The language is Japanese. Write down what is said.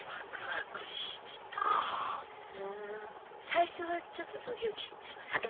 最初はちょっとドキドキしました？